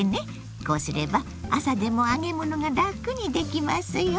こうすれば朝でも揚げ物がラクにできますよ。